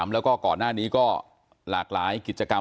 แล้วก็ก่อนหน้านี้ก็หลากหลายกิจกรรม